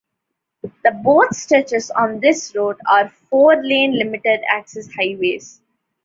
The both stretches on this route are four-lane limited-access highways.